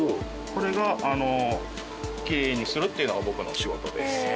これがきれいにするっていうのが僕の仕事です。